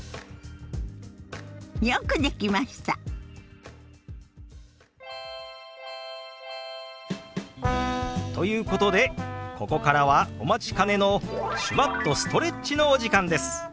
よくできました！ということでここからはお待ちかねの手話っとストレッチのお時間です！